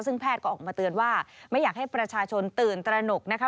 ซึ่งแพทย์ก็ออกมาเตือนว่าไม่อยากให้ประชาชนตื่นตระหนกนะคะ